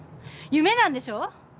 夢なんでしょ？